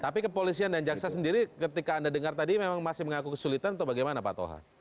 tapi kepolisian dan jaksa sendiri ketika anda dengar tadi memang masih mengaku kesulitan atau bagaimana pak toha